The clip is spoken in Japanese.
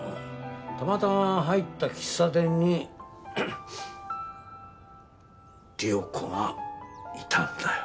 たまたま入った喫茶店に理代子がいたんだよ。